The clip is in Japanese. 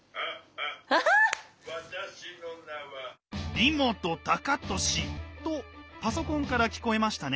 「梨本タカトシ」とパソコンから聞こえましたね。